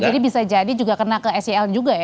jadi bisa jadi juga kena ke sel juga ya